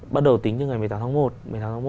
bắt đầu tính từ ngày một mươi tám tháng một